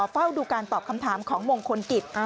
เฝ้าดูการตอบคำถามของมงคลกิจ